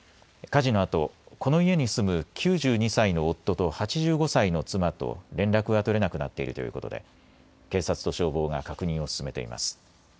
火事のあと、この家に住む９２歳の夫と８５歳の妻と連絡が取れなくなっているということで警察と消防が確認を進めています。